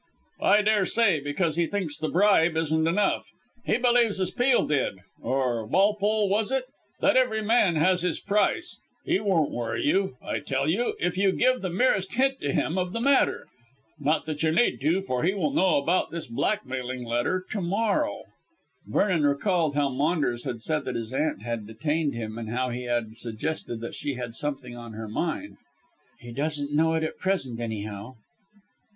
"I daresay, because he thinks the bribe isn't enough. He believes as Peel did or Walpole was it? that every man has his price. He won't worry you, I tell you, if you give the merest hint to him of the matter. Not that you need to, for he will know about this blackmailing letter to morrow." Vernon recalled how Maunders had said that his aunt had detained him, and how he had suggested that she had something on her mind. "He doesn't know it at present, anyhow."